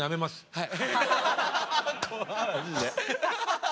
はい。